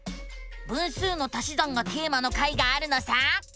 「分数の足し算」がテーマの回があるのさ！